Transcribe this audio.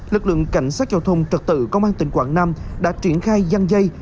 lực lượng cảnh sát giao thông trật tự công an tỉnh quảng nam đã triển khai gian dây